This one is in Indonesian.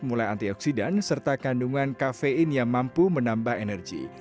mulai antioksidan serta kandungan kafein yang mampu menambah energi